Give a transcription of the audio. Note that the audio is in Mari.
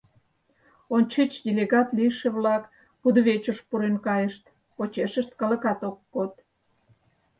Ончыч делегат лийше-влак кудывечыш пурен кайышт, почешышт калыкат ок код.